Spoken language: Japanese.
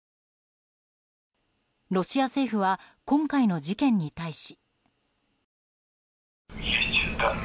ロシア政府は今回の事件に対し。